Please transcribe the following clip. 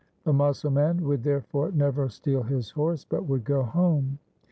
The Musalman would therefore never steal his horse, but would go home.